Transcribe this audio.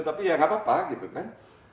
tapi ya nggak apa apa gitu kan